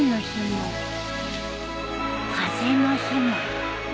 風の日も。